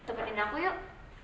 temetin aku yuk